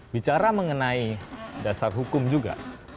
bicara mengenai dasar hukum juga